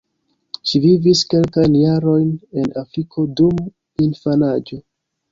Ŝi vivis kelkajn jarojn en Afriko dum infanaĝo.